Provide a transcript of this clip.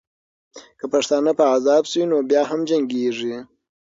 که پښتانه په عذاب سي، نو بیا هم جنګېږي.